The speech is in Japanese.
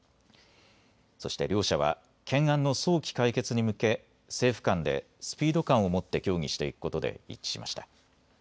そして両者は懸案の早期解決に向け、政府間でスピード感を持って協議していくことで一致しました。